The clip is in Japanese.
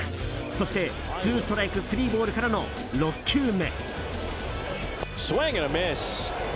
そして、ツーストライクスリーボールからの６球目。